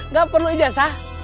nggak perlu ijazah